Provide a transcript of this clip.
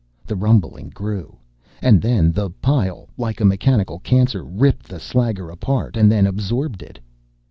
The rumbling grew. And then the pile, like a mechanical cancer, ripped the slagger apart and then absorbed it.